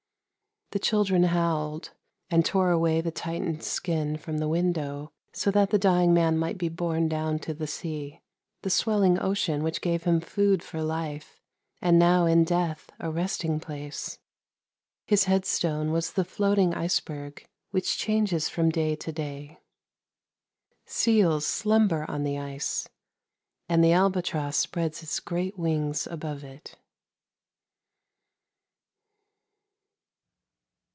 The children howled, and tore away the tightened skin from the window, so that the dying man might be borne down to the sea, the swelling ocean which gave him food for life, and now in death a resting place! His headstone was the floating iceberg which changes from day to day. Seals slumber on the ice, and the albatross spreads its great wings above it."